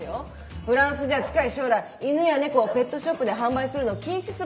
フランスじゃ近い将来犬や猫をペットショップで販売するのを禁止する法律だって。